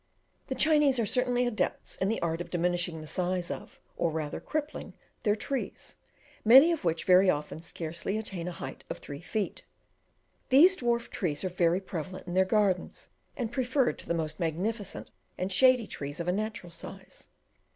The Chinese are certainly adepts in the art of diminishing the size of, or rather crippling their trees, many of which very often scarcely attain a height of three feet. These dwarf trees are very prevalent in their gardens, and preferred to the most magnificent and shady trees of a natural size.